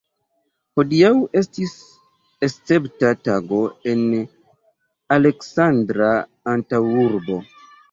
Hodiaŭ estis escepta tago en Aleksandra antaŭurbo.